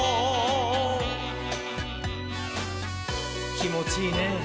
きもちいいねぇ。